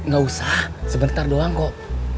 gak usah sebentar doang kok